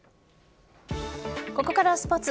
ここからはスポーツ。